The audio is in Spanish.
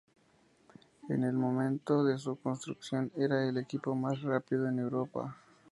En el momento de su construcción, era el equipo más rápido en Europa.